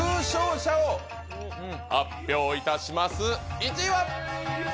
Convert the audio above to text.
１位は！